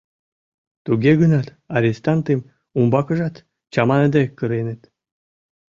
Туге гынат, арестантым умбакыжат чаманыде кыреныт.